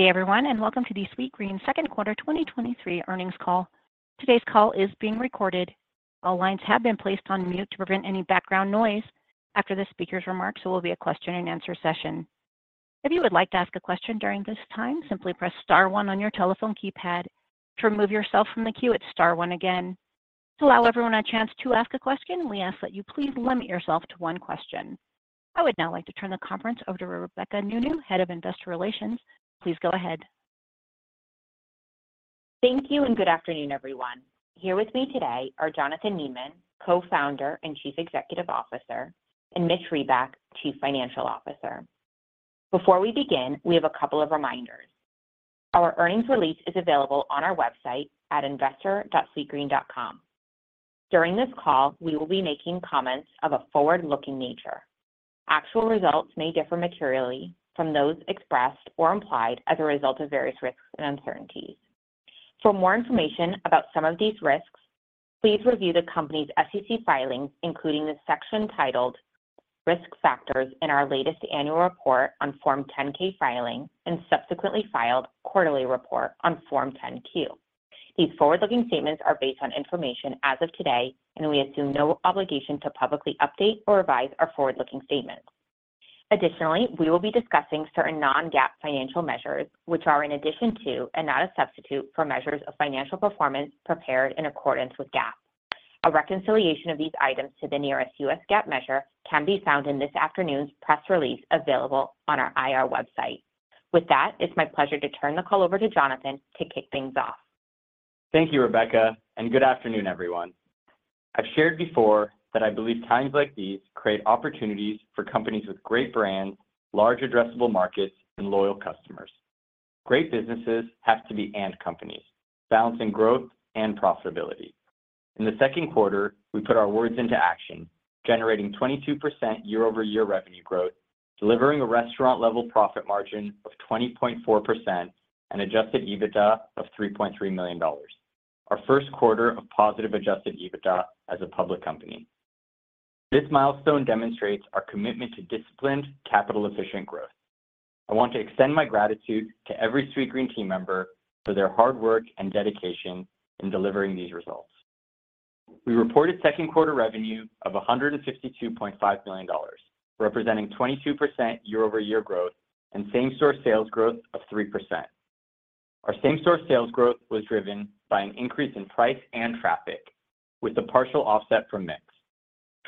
Good day, everyone, and welcome to the Sweetgreen Second Quarter 2023 Earnings Call. Today's call is being recorded. All lines have been placed on mute to prevent any background noise. After the speaker's remarks, there will be a question-and-answer session. If you would like to ask a question during this time, simply press star one on your telephone keypad. To remove yourself from the queue, it's star one again. To allow everyone a chance to ask a question, we ask that you please limit yourself to one question. I would now like to turn the conference over to Rebecca Nounou, Head of Investor Relations. Please go ahead. Thank you, good afternoon, everyone. Here with me today are Jonathan Neman, Co-Founder and Chief Executive Officer, and Mitch Reback, Chief Financial Officer. Before we begin, we have a couple of reminders. Our earnings release is available on our website at investor.sweetgreen.com. During this call, we will be making comments of a forward-looking nature. Actual results may differ materially from those expressed or implied as a result of various risks and uncertainties. For more information about some of these risks, please review the company's SEC filings, including the section titled Risk Factors in our latest annual report on Form 10-K filing and subsequently filed quarterly report on Form 10-Q. These forward-looking statements are based on information as of today, and we assume no obligation to publicly update or revise our forward-looking statements. Additionally, we will be discussing certain non-GAAP financial measures, which are in addition to and not a substitute for measures of financial performance prepared in accordance with GAAP. A reconciliation of these items to the nearest U.S. GAAP measure can be found in this afternoon's press release, available on our IR website. With that, it's my pleasure to turn the call over to Jonathan to kick things off. Thank you, Rebecca, and good afternoon, everyone. I've shared before that I believe times like these create opportunities for companies with great brands, large addressable markets, and loyal customers. Great businesses have to be "and" companies, balancing growth and profitability. In the second quarter, we put our words into action, generating 22% year-over-year revenue growth, delivering a Restaurant-Level Profit Margin of 20.4% and Adjusted EBITDA of $3.3 million. Our first quarter of positive Adjusted EBITDA as a public company. This milestone demonstrates our commitment to disciplined, capital-efficient growth. I want to extend my gratitude to every Sweetgreen team member for their hard work and dedication in delivering these results. We reported second quarter revenue of $152.5 million, representing 22% year-over-year growth and Same-Store sales growth of 3%. Our Same-Store sales growth was driven by an increase in price and traffic, with a partial offset from mix.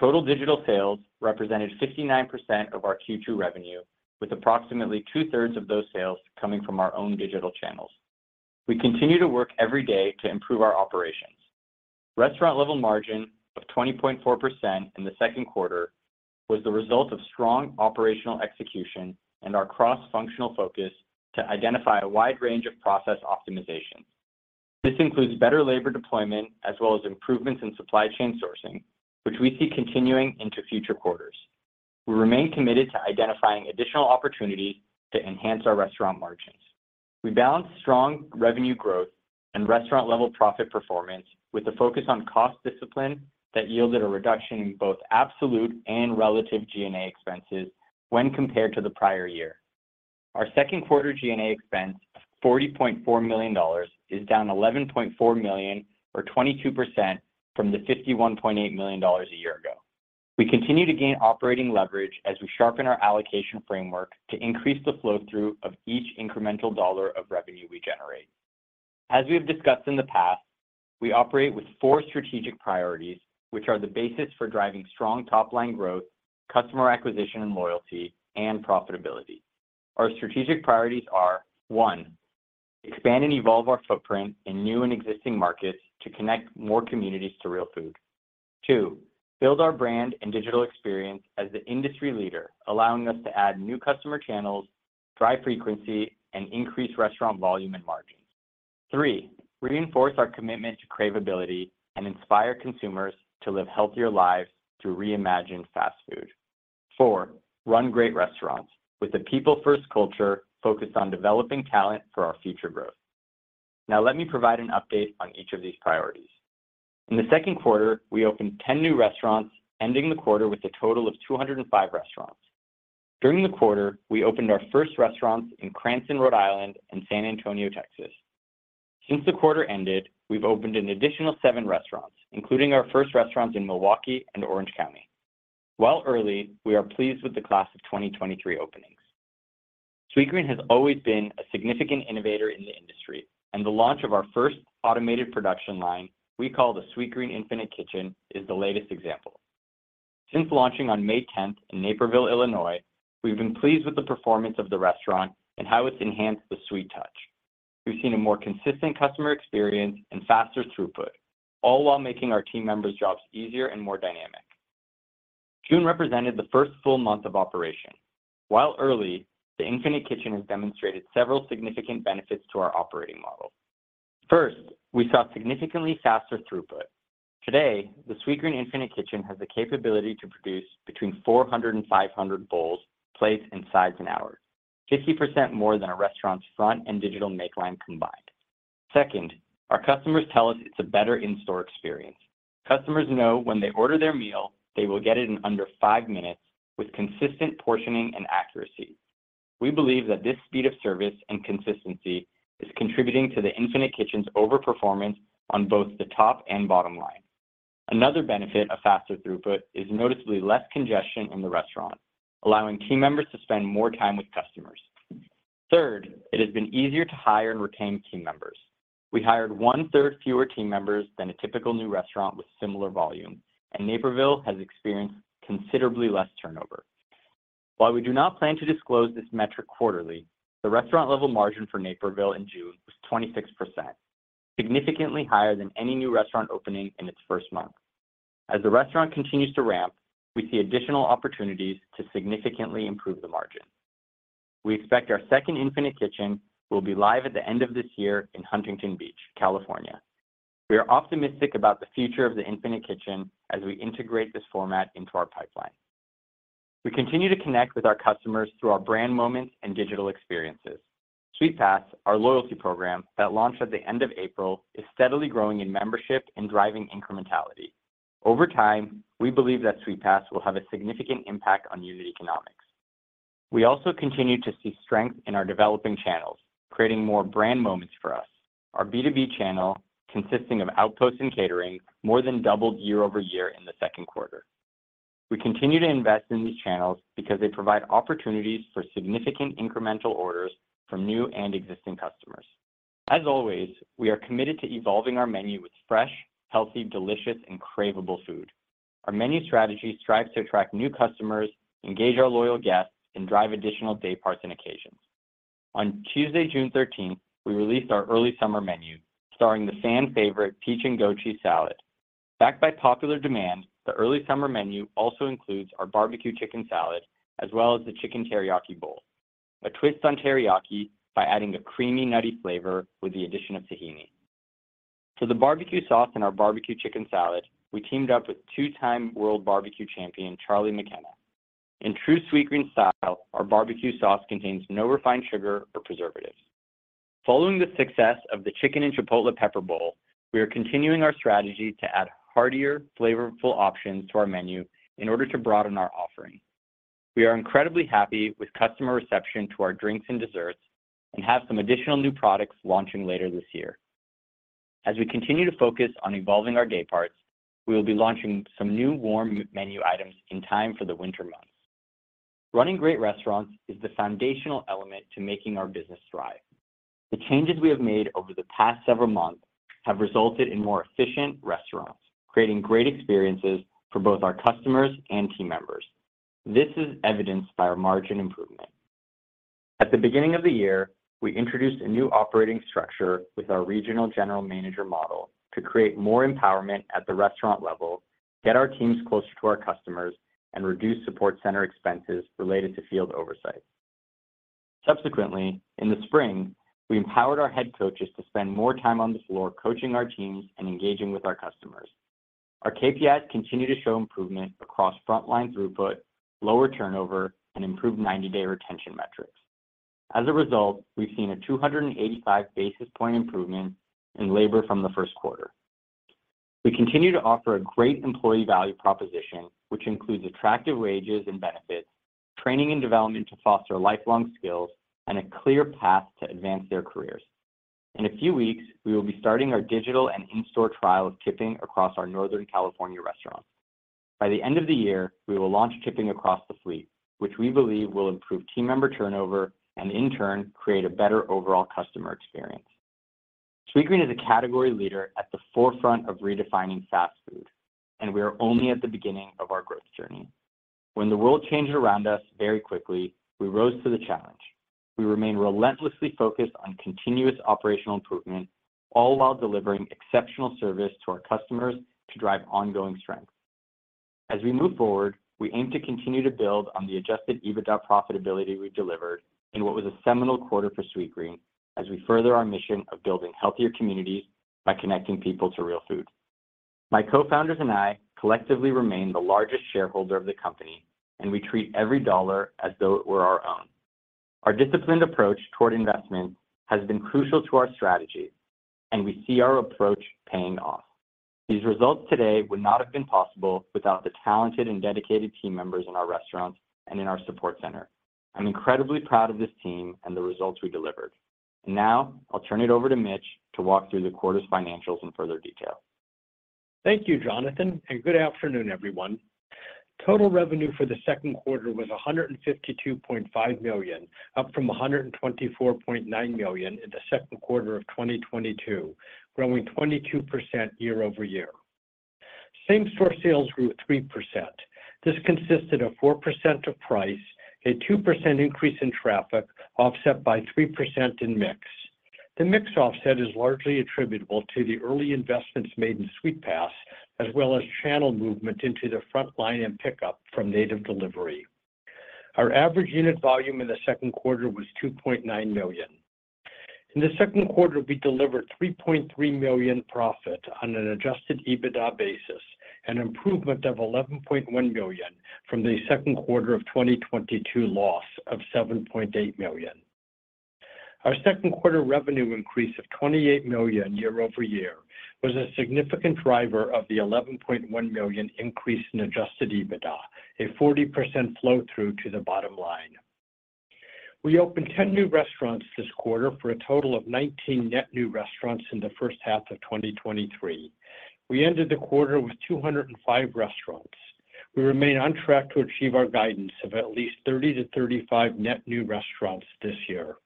Total digital sales represented 59% of our Q2 revenue, with approximately 2/3 of those sales coming from our own digital channels. We continue to work every day to improve our operations. Restaurant-Level Margin of 20.4% in the second quarter was the result of strong operational execution and our cross-functional focus to identify a wide range of process optimizations. This includes better labor deployment, as well as improvements in supply chain sourcing, which we see continuing into future quarters. We remain committed to identifying additional opportunities to enhance our restaurant margins. We balanced strong revenue growth and Restaurant-Level Profit performance with a focus on cost discipline that yielded a reduction in both absolute and relative G&A expenses when compared to the prior year. Our second quarter G&A expense of $40.4 million is down $11.4 million, or 22%, from the $51.8 million a year ago. We continue to gain operating leverage as we sharpen our allocation framework to increase the flow-through of each incremental dollar of revenue we generate. As we have discussed in the past, we operate with four strategic priorities, which are the basis for driving strong top-line growth, customer acquisition and loyalty, and profitability. Our strategic priorities are: One, expand and evolve our footprint in new and existing markets to connect more communities to real food. Two, build our brand and digital experience as the industry leader, allowing us to add new customer channels, drive frequency, and increase restaurant volume and margins. Three, reinforce our commitment to cravability and inspire consumers to live healthier lives through reimagined fast food. Four, run great restaurants with a people-first culture focused on developing talent for our future growth. Let me provide an update on each of these priorities. In the second quarter, we opened 10 new restaurants, ending the quarter with a total of 205 restaurants. During the quarter, we opened our first restaurants in Cranston, Rhode Island, and San Antonio, Texas. Since the quarter ended, we've opened an additional seven restaurants, including our first restaurants in Milwaukee and Orange County. While early, we are pleased with the class of 2023 openings. Sweetgreen has always been a significant innovator in the industry, and the launch of our first automated production line, we call the Sweetgreen Infinite Kitchen, is the latest example. Since launching on May 10th in Naperville, Illinois, we've been pleased with the performance of the restaurant and how it's enhanced the Sweet touch. We've seen a more consistent customer experience and faster throughput, all while making our team members' jobs easier and more dynamic. June represented the first full month of operation. While early, the Infinite Kitchen has demonstrated several significant benefits to our operating model. First, we saw significantly faster throughput. Today, the Sweetgreen Infinite Kitchen has the capability to produce between 400 and 500 bowls, plates, and sides an hour, 50% more than a restaurant's front and digital make line combined. Second, our customers tell us it's a better in-store experience. Customers know when they order their meal, they will get it in under five minutes with consistent portioning and accuracy. We believe that this speed of service and consistency is contributing to the Infinite Kitchen's overperformance on both the top and bottom line. Another benefit of faster throughput is noticeably less congestion in the restaurant, allowing team members to spend more time with customers. Third, it has been easier to hire and retain team members. We hired one-third fewer team members than a typical new restaurant with similar volume, and Naperville has experienced considerably less turnover. While we do not plan to disclose this metric quarterly, the Restaurant-Level Profit Margin for Naperville in June was 26%, significantly higher than any new restaurant opening in its first month. As the restaurant continues to ramp, we see additional opportunities to significantly improve the margin. We expect our second Infinite Kitchen will be live at the end of this year in Huntington Beach, California. We are optimistic about the future of the Infinite Kitchen as we integrate this format into our pipeline. We continue to connect with our customers through our brand moments and digital experiences. Sweetpass, our loyalty program that launched at the end of April, is steadily growing in membership and driving incrementality. Over time, we believe that Sweetpass will have a significant impact on unit economics. We also continue to see strength in our developing channels, creating more brand moments for us. Our B2B channel, consisting of Outposts and catering, more than doubled year-over-year in the second quarter. We continue to invest in these channels because they provide opportunities for significant incremental orders from new and existing customers. As always, we are committed to evolving our menu with fresh, healthy, delicious, and craveable food. Our menu strategy strives to attract new customers, engage our loyal guests, and drive additional day parts and occasions. On Tuesday, June 13th, we released our early summer menu, starring the fan favorite Peach and Goat Cheese Salad. Back by popular demand, the early summer menu also includes our Barbecue Chicken Salad, as well as the Chicken Teriyaki Bowl, a twist on teriyaki by adding a creamy, nutty flavor with the addition of tahini. For the barbecue sauce in our Barbecue Chicken Salad, we teamed up with two-time world barbecue champion, Charlie McKenna. In true Sweetgreen style, our barbecue sauce contains no refined sugar or preservatives. Following the success of the Chicken and Chipotle Pepper Bowl, we are continuing our strategy to add heartier, flavorful options to our menu in order to broaden our offering. We are incredibly happy with customer reception to our drinks and desserts and have some additional new products launching later this year. As we continue to focus on evolving our day parts, we will be launching some new warm menu items in time for the winter months. Running great restaurants is the foundational element to making our business thrive. The changes we have made over the past several months have resulted in more efficient restaurants, creating great experiences for both our customers and team members. This is evidenced by our margin improvement. At the beginning of the year, we introduced a new operating structure with our regional general manager model to create more empowerment at the restaurant level, get our teams closer to our customers, and reduce Sweetgreen Support Center expenses related to field oversight. Subsequently, in the spring, we empowered our Head Coaches to spend more time on the floor coaching our teams and engaging with our customers. Our KPIs continue to show improvement across frontline throughput, lower turnover, and improved ninety-day retention metrics. As a result, we've seen a 285 basis point improvement in labor from the first quarter. We continue to offer a great employee value proposition, which includes attractive wages and benefits, training and development to foster lifelong skills, and a clear path to advance their careers. In a few weeks, we will be starting our digital and in-store trial of tipping across our Northern California restaurants. By the end of the year, we will launch tipping across the fleet, which we believe will improve team member turnover and, in turn, create a better overall customer experience. Sweetgreen is a category leader at the forefront of redefining fast food, and we are only at the beginning of our growth journey. When the world changed around us very quickly, we rose to the challenge. We remain relentlessly focused on continuous operational improvement, all while delivering exceptional service to our customers to drive ongoing strength. As we move forward, we aim to continue to build on the Adjusted EBITDA profitability we delivered in what was a seminal quarter for Sweetgreen, as we further our mission of building healthier communities by connecting people to real food. My co-founders and I collectively remain the largest shareholder of the company, and we treat every dollar as though it were our own. Our disciplined approach toward investment has been crucial to our strategy, and we see our approach paying off. These results today would not have been possible without the talented and dedicated team members in our restaurants and in our Sweetgreen Support Center. I'm incredibly proud of this team and the results we delivered. Now, I'll turn it over to Mitch to walk through the quarter's financials in further detail. Thank you, Jonathan. Good afternoon, everyone. Total revenue for the second quarter was $152.5 million, up from $124.9 million in the second quarter of 2022, growing 22% year-over-year. Same-Store Sales grew at 3%. This consisted of 4% of price, a 2% increase in traffic, offset by 3% in mix. The mix offset is largely attributable to the early investments made in Sweetpass, as well as channel movement into the frontline and pickup from native delivery. Our average unit volume in the second quarter was $2.9 million. In the second quarter, we delivered $3.3 million profit on an Adjusted EBITDA basis. An improvement of $11.1 million from the second quarter of 2022 loss of $7.8 million. Our second quarter revenue increase of $28 million year-over-year was a significant driver of the $11.1 million increase in Adjusted EBITDA, a 40% flow through to the bottom line. We opened 10 new restaurants this quarter for a total of 19 net new restaurants in the first half of 2023. We ended the quarter with 205 restaurants. We remain on track to achieve our guidance of at least 30-35 net new restaurants this year.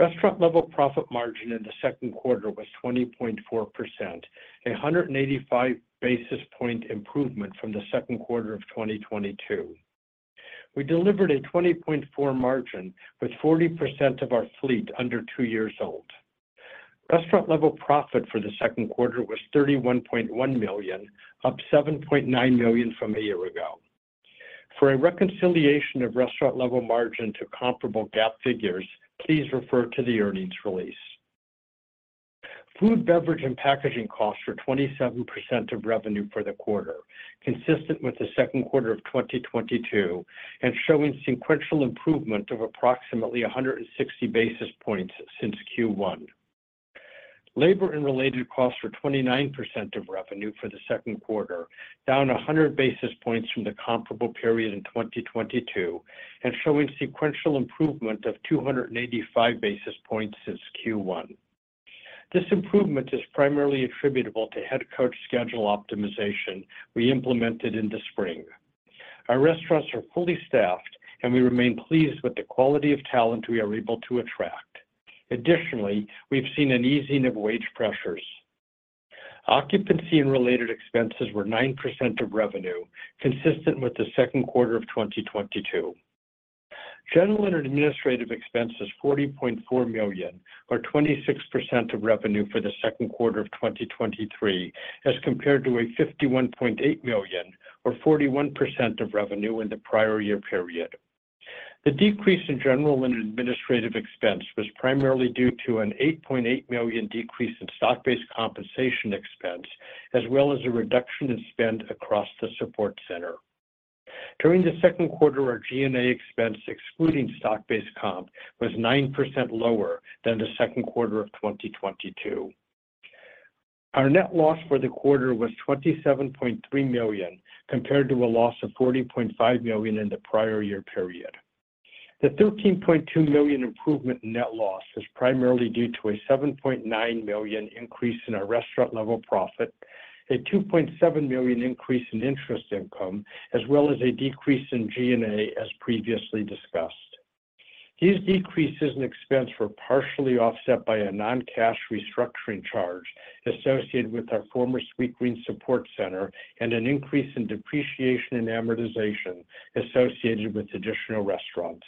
Restaurant-Level Profit Margin in the second quarter was 20.4%, 185 basis point improvement from the second quarter of 2022. We delivered a 20.4 margin, with 40% of our fleet under two years old. Restaurant-Level Profit for the second quarter was $31.1 million, up $7.9 million from a year ago. For a reconciliation of Restaurant-Level Profit Margin to comparable GAAP figures, please refer to the earnings release. Food, beverage, and packaging costs were 27% of revenue for the quarter, consistent with the second quarter of 2022, and showing sequential improvement of approximately 160 basis points since Q1. Labor and related costs were 29% of revenue for the second quarter, down 100 basis points from the comparable period in 2022, and showing sequential improvement of 285 basis points since Q1. This improvement is primarily attributable to Head Coach schedule optimization we implemented in the spring. Our restaurants are fully staffed, and we remain pleased with the quality of talent we are able to attract. Additionally, we've seen an easing of wage pressures. Occupancy and related expenses were 9% of revenue, consistent with the second quarter of 2022. General and administrative expenses, $40.4 million, or 26% of revenue for the second quarter of 2023, as compared to a $51.8 million, or 41% of revenue in the prior year period. The decrease in general and administrative expense was primarily due to an $8.8 million decrease in stock-based compensation expense, as well as a reduction in spend across the support center. During the second quarter, our G&A expense, excluding stock-based comp, was 9% lower than the second quarter of 2022. Our net loss for the quarter was $27.3 million, compared to a loss of $40.5 million in the prior year period. The $13.2 million improvement in net loss was primarily due to a $7.9 million increase in our Restaurant-Level Profit, a $2.7 million increase in interest income, as well as a decrease in G&A, as previously discussed. These decreases in expense were partially offset by a non-cash restructuring charge associated with our former Sweetgreen Support Center and an increase in depreciation and amortization associated with additional restaurants.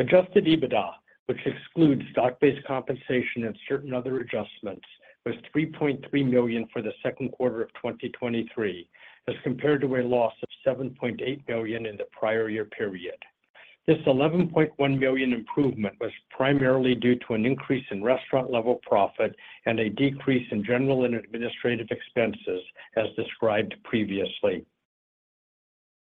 Adjusted EBITDA, which excludes stock-based compensation and certain other adjustments, was $3.3 million for the second quarter of 2023, as compared to a loss of $7.8 million in the prior year period. This $11.1 million improvement was primarily due to an increase in Restaurant-Level Profit and a decrease in general and administrative expenses, as described previously.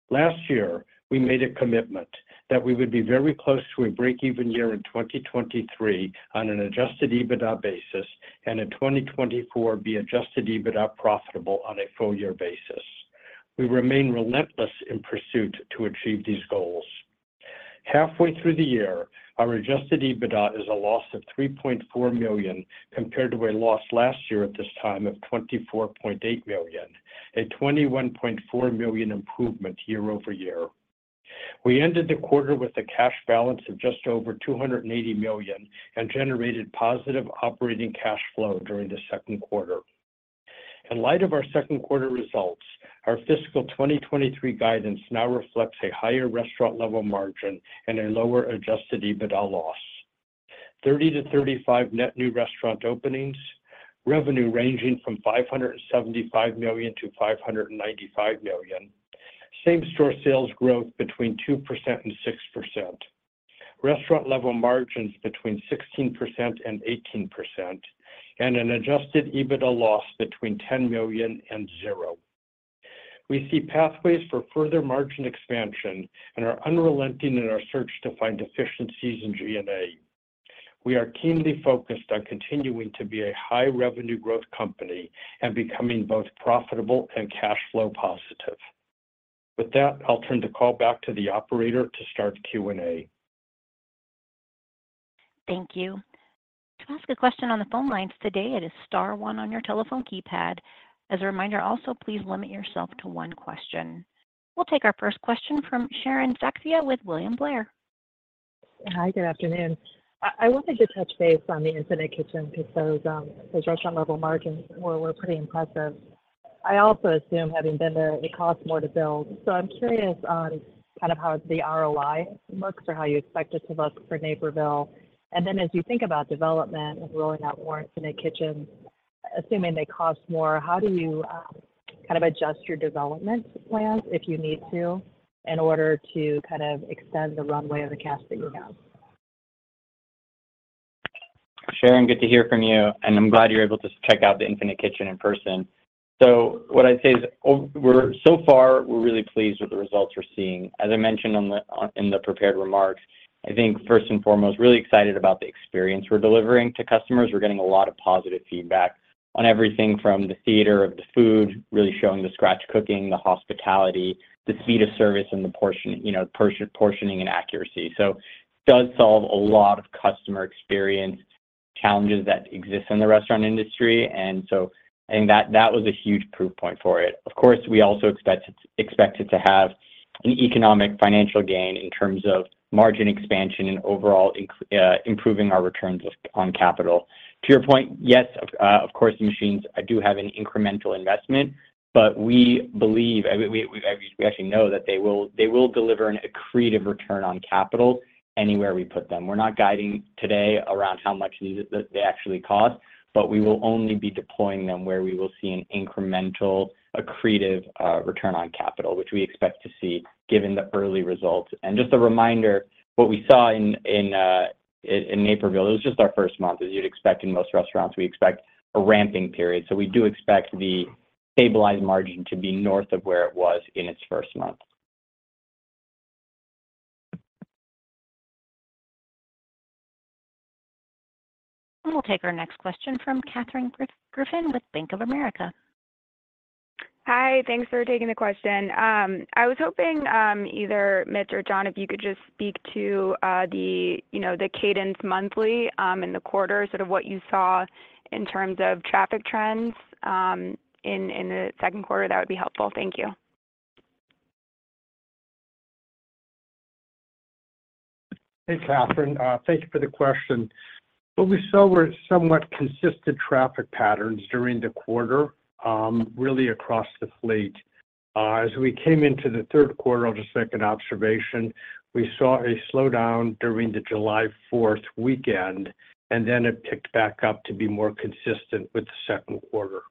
Last year, we made a commitment that we would be very close to a break-even year in 2023 on an Adjusted EBITDA basis, and in 2024, be Adjusted EBITDA profitable on a full year basis. We remain relentless in pursuit to achieve these goals. Halfway through the year, our Adjusted EBITDA is a loss of $3.4 million, compared to a loss last year at this time of $24.8 million, a $21.4 million improvement year-over-year. We ended the quarter with a cash balance of just over $280 million and generated positive operating cash flow during the second quarter. In light of our second quarter results, our fiscal 2023 guidance now reflects a higher Restaurant-Level Margin and a lower Adjusted EBITDA loss. 30-35 net new restaurant openings, revenue ranging from $575 million-$595 million, Same-Store Sales growth between 2% and 6%, Restaurant-Level Profit Margin between 16% and 18%, and an Adjusted EBITDA loss between $10 million and zero. We see pathways for further margin expansion and are unrelenting in our search to find efficiencies in G&A. We are keenly focused on continuing to be a high revenue growth company and becoming both profitable and cash flow positive. With that, I'll turn the call back to the operator to start Q&A. Thank you. To ask a question on the phone lines today, it is star one on your telephone keypad. As a reminder, also, please limit yourself to one question. We'll take our first question from Sharon Zackfia with William Blair. Hi, good afternoon. I, I wanted to touch base on the Infinite Kitchen, because those, those restaurant-level margins were, were pretty impressive. I also assume, having been there, it costs more to build. I'm curious on kind of how the ROI looks or how you expect it to look for Naperville. As you think about development and rolling out more Infinite Kitchens, assuming they cost more, how do you, kind of adjust your development plans, if you need to, in order to kind of extend the runway of the cash that you have? Sharon, good to hear from you, and I'm glad you're able to check out the Infinite Kitchen in person. What I'd say is so far, we're really pleased with the results we're seeing. As I mentioned on the in the prepared remarks, I think first and foremost, really excited about the experience we're delivering to customers. We're getting a lot of positive feedback on everything from the theater of the food, really showing the scratch cooking, the hospitality, the speed of service, and the portion, you know, portioning and accuracy. Does solve a lot of customer experience challenges that exist in the restaurant industry, and so I think that, that was a huge proof point for it. Of course, we also expect it, expect it to have an economic financial gain in terms of margin expansion and overall improving our returns of, on capital. To your point, yes, of course, the machines do have an incremental investment, but we believe, and we actually know that they will, they will deliver an accretive return on capital anywhere we put them. We're not guiding today around how much these, they actually cost, but we will only be deploying them where we will see an incremental accretive return on capital, which we expect to see given the early results. Just a reminder, what we saw in Naperville, it was just our first month. As you'd expect in most restaurants, we expect a ramping period, so we do expect the stabilized margin to be north of where it was in its first month. We'll take our next question from Katherine Griffin with Bank of America. Hi, thanks for taking the question. I was hoping either Mitch or John, if you could just speak to the, you know, the cadence monthly, in the quarter, sort of what you saw in terms of traffic trends, in the second quarter, that would be helpful. Thank you. Hey, Catherine, thank you for the question. What we saw were somewhat consistent traffic patterns during the quarter, really across the fleet. As we came into the third quarter, just a second observation, we saw a slowdown during the July fourth weekend, and then it picked back up to be more consistent with the second quarter.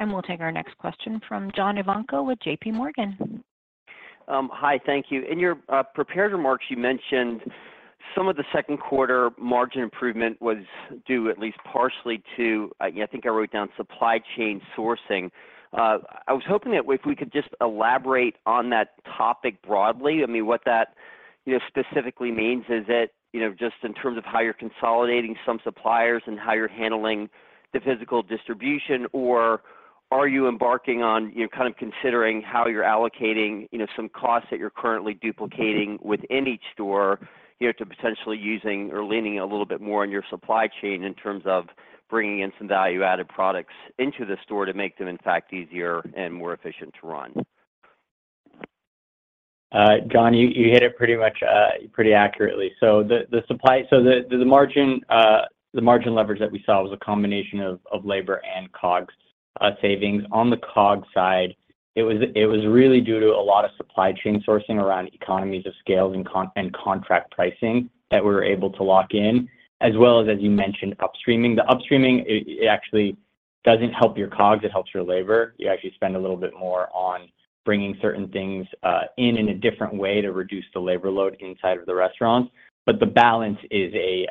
We'll take our next question from John Ivankoe with JPMorgan. Hi, thank you. In your prepared remarks, you mentioned some of the second quarter margin improvement was due at least partially to, I think I wrote down supply chain sourcing. I was hoping that if we could just elaborate on that topic broadly. I mean, what that, you know, specifically means, is it, you know, just in terms of how you're consolidating some suppliers and how you're handling the physical distribution, or are you embarking on, you know, kind of considering how you're allocating, you know, some costs that you're currently duplicating within each store, you know, to potentially using or leaning a little bit more on your supply chain in terms of bringing in some value-added products into the store to make them, in fact, easier and more efficient to run? John, you, you hit it pretty much pretty accurately. The, the margin, the margin leverage that we saw was a combination of labor and COGS savings. On the COGS side, it was really due to a lot of supply chain sourcing around economies of scale and contract pricing that we were able to lock in, as well as, as you mentioned, upstreaming. The upstreaming, it actually doesn't help your COGS, it helps your labor. You actually spend a little bit more on bringing certain things in, in a different way to reduce the labor load inside of the restaurant. The balance is a,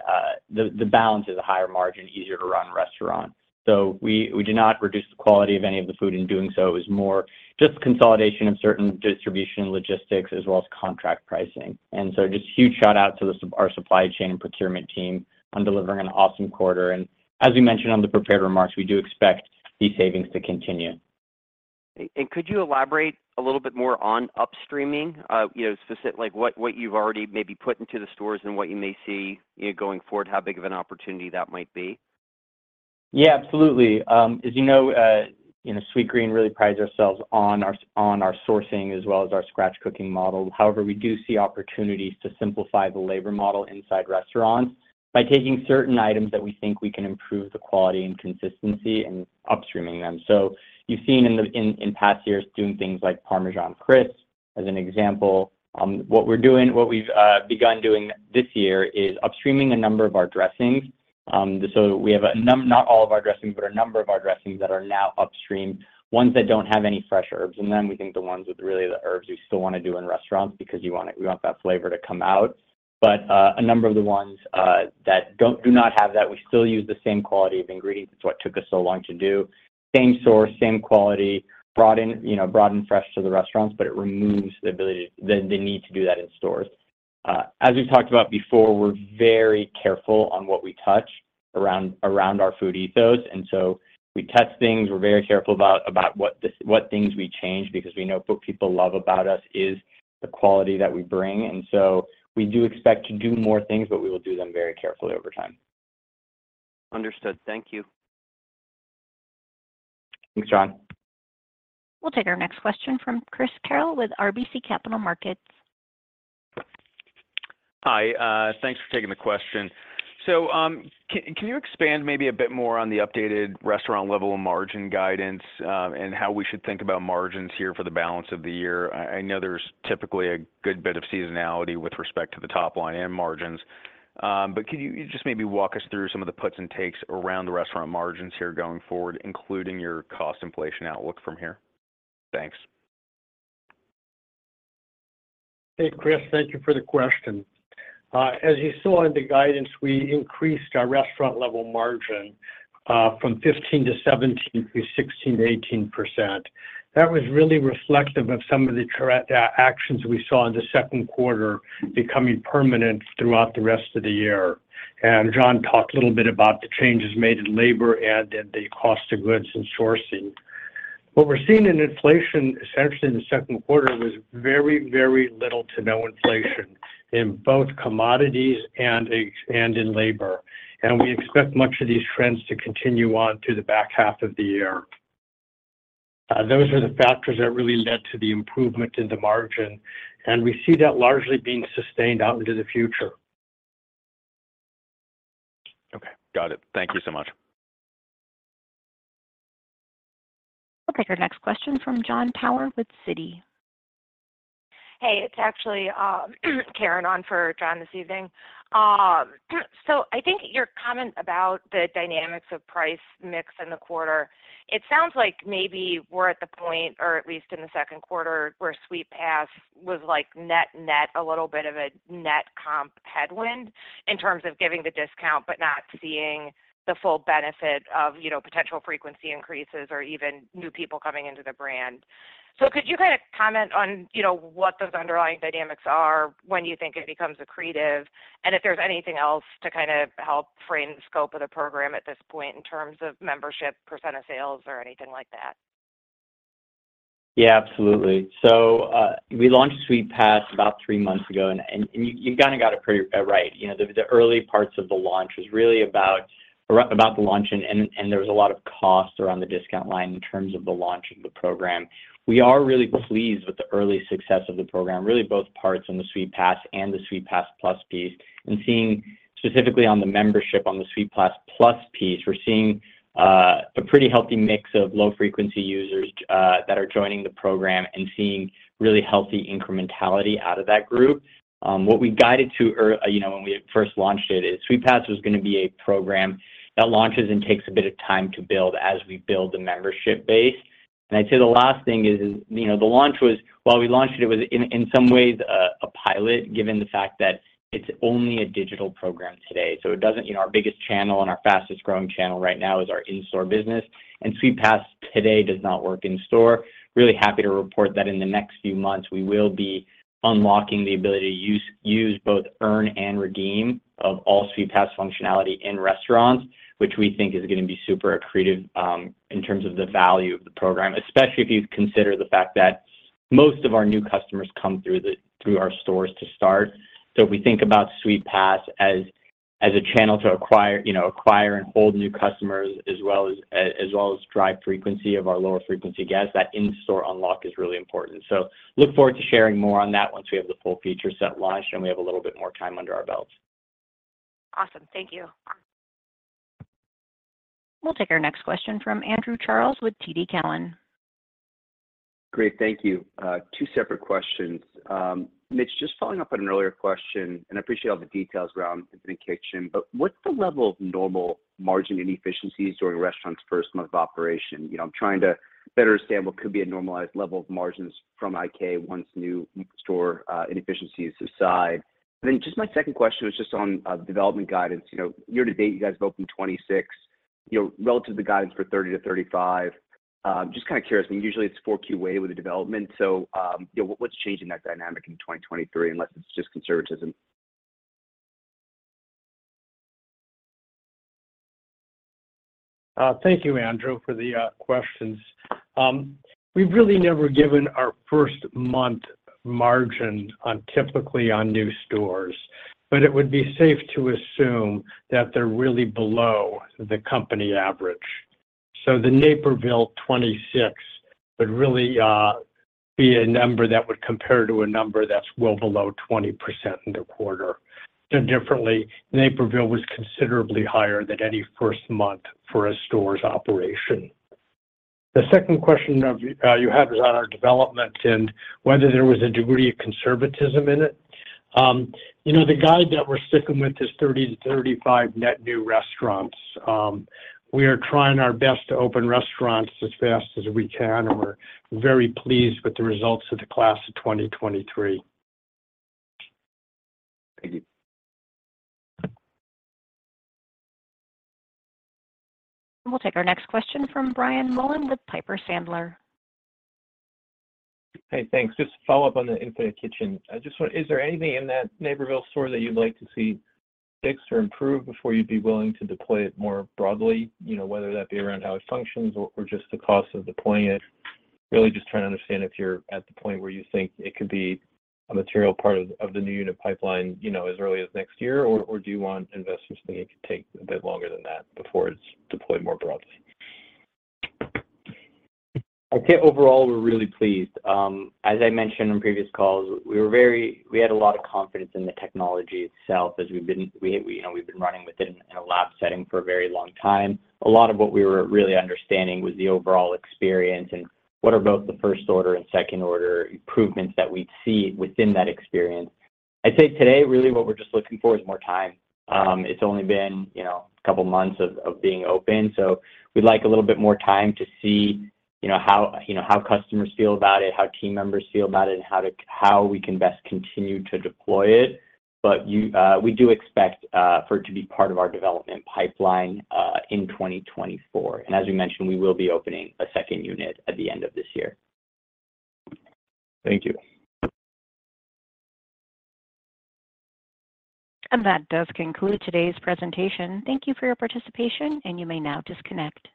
the, the balance is a higher margin, easier to run restaurant. We, we do not reduce the quality of any of the food. In doing so, it was more just consolidation of certain distribution logistics as well as contract pricing. Just huge shout out to our supply chain and procurement team on delivering an awesome quarter. As we mentioned on the prepared remarks, we do expect these savings to continue. And could you elaborate a little bit more on upstreaming? You know, like, what, what you've already maybe put into the stores and what you may see, you know, going forward, how big of an opportunity that might be? Yeah, absolutely. As you know, Sweetgreen really prides ourselves on our, on our sourcing as well as our scratch cooking model. However, we do see opportunities to simplify the labor model inside restaurants by taking certain items that we think we can improve the quality and consistency and upstreaming them. You've seen in the, in, in past years, doing things like parmesan crisps, as an example. What we're doing, what we've begun doing this year is upstreaming a number of our dressings. We have a num- not all of our dressings, but a number of our dressings that are now upstreamed, ones that don't have any fresh herbs. Then we think the ones with really the herbs, we still want to do in restaurants because you want it- we want that flavor to come out. A number of the ones that don't, do not have that, we still use the same quality of ingredients. It's what took us so long to do. Same source, same quality, brought in, you know, brought in fresh to the restaurants, but it removes the ability, the need to do that in stores. As we've talked about before, we're very careful on what we touch around our food ethos, and so we test things. We're very careful about what things we change because we know what people love about us is the quality that we bring, and so we do expect to do more things, but we will do them very carefully over time. Understood. Thank you. Thanks, John. We'll take our next question from Chris Carril with RBC Capital Markets. Hi, thanks for taking the question. Can, can you expand maybe a bit more on the updated Restaurant-Level and margin guidance, and how we should think about margins here for the balance of the year? I, I know there's typically a good bit of seasonality with respect to the top line and margins.... could you just maybe walk us through some of the puts and takes around the restaurant margins here going forward, including your cost inflation outlook from here? Thanks. Hey, Chris, thank you for the question. As you saw in the guidance, we increased our Restaurant-Level Profit Margin, from 15%-17% to 16%-18%. That was really reflective of some of the correct actions we saw in the second quarter becoming permanent throughout the rest of the year. John talked a little bit about the changes made in labor and in the cost of goods and sourcing. What we're seeing in inflation, essentially in the second quarter, was very, very little to no inflation in both commodities and in labor. We expect much of these trends to continue on to the back half of the year. Those are the factors that really led to the improvement in the margin, and we see that largely being sustained out into the future. Okay, got it. Thank you so much. We'll take our next question from Jon Tower with Citi. Hey, it's actually, Karen on for John this evening. I think your comment about the dynamics of price mix in the quarter, it sounds like maybe we're at the point, or at least in the second quarter, where Sweetpass was like net-net, a little bit of a net comp headwind in terms of giving the discount, but not seeing the full benefit of, you know, potential frequency increases or even new people coming into the brand. Could you kind of comment on, you know, what those underlying dynamics are, when you think it becomes accretive, and if there's anything else to kind of help frame the scope of the program at this point in terms of membership, % of sales, or anything like that? Yeah, absolutely. We launched Sweetpass about three months ago, and you've kind of got it pretty right. You know, the early parts of the launch was really about the launch, and there was a lot of costs around the discount line in terms of the launch of the program. We are really pleased with the early success of the program, really both parts, on the Sweetpass and the Sweetpass+ piece. Seeing specifically on the membership, on the Sweetpass+ piece, we're seeing a pretty healthy mix of low-frequency users that are joining the program and seeing really healthy incrementality out of that group. What we guided to, you know, when we first launched it is Sweetpass was gonna be a program that launches and takes a bit of time to build as we build the membership base. I'd say the last thing is, you know, the launch was, while we launched it, it was in, in some ways, a pilot, given the fact that it's only a digital program today. It doesn't, you know, our biggest channel and our fastest growing channel right now is our in-store business, and Sweetpass today does not work in store. Really happy to report that in the next few months, we will be unlocking the ability to use both earn and redeem of all Sweetpass functionality in restaurants, which we think is gonna be super accretive in terms of the value of the program. Especially if you consider the fact that most of our new customers come through the, through our stores to start. If we think about Sweetpass as, as a channel to acquire, you know, acquire and hold new customers as well as, as well as drive frequency of our lower frequency guests, that in-store unlock is really important. Look forward to sharing more on that once we have the full feature set launched, and we have a little bit more time under our belts. Awesome. Thank you. We'll take our next question from Andrew Charles with TD Cowen. Great, thank you. Two separate questions. Mitch, just following up on an earlier question, and I appreciate all the details around Infinite Kitchen, but what's the level of normal margin inefficiencies during a restaurant's first month of operation? You know, I'm trying to better understand what could be a normalized level of margins from IK once new store inefficiencies subside. Just my second question was just on development guidance. You know, year to date, you guys have opened 26, you know, relative to guidance for 30-35. Just kind of curious, I mean, usually it's 4Q way with the development. You know, what's changing that dynamic in 2023, unless it's just conservatism? Thank you, Andrew, for the questions. We've really never given our first month margin on, typically on new stores, but it would be safe to assume that they're really below the company average. The Naperville 26 would really be a number that would compare to a number that's well below 20% in the quarter. No differently, Naperville was considerably higher than any first month for a store's operation. The second question of you had was on our development and whether there was a degree of conservatism in it. You know, the guide that we're sticking with is 30-35 net new restaurants. We are trying our best to open restaurants as fast as we can, and we're very pleased with the results of the class of 2023. Thank you. We'll take our next question from Brian Mullan with Piper Sandler. Hey, thanks. Just to follow up on the Infinite Kitchen. Is there anything in that Naperville store that you'd like to see fixed or improved before you'd be willing to deploy it more broadly? You know, whether that be around how it functions or, or just the cost of deploying it. Really just trying to understand if you're at the point where you think it could be a material part of, of the new unit pipeline, you know, as early as next year, or, or do you want investors to think it could take a bit longer than that before it's deployed more broadly? I'd say overall, we're really pleased. As I mentioned on previous calls, we had a lot of confidence in the technology itself, as we've been, you know, we've been running with it in a lab setting for a very long time. A lot of what we were really understanding was the overall experience and what are both the first order and second order improvements that we'd see within that experience. I'd say today, really what we're just looking for is more time. It's only been, you know, a couple of months of being open, so we'd like a little bit more time to see, you know, how, you know, how customers feel about it, how team members feel about it, and how we can best continue to deploy it. You, we do expect for it to be part of our development pipeline in 2024. As we mentioned, we will be opening a second unit at the end of this year. Thank you. That does conclude today's presentation. Thank you for your participation, and you may now disconnect.